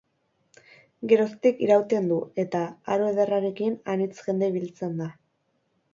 Geroztik irauten du eta, aro ederrarekin, anitz jende biltzen da.